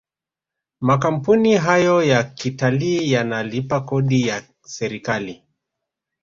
makampuni hayo ya kitalii yanalipa Kodi kwa serikali